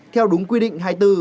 theo đúng quy định hai mươi bốn